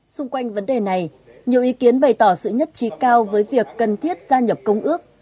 xung quanh vấn đề này nhiều ý kiến bày tỏ sự nhất trí cao với việc cần thiết gia nhập công ước